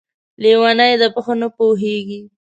لېونۍ ده ، په ښه نه پوهېږي!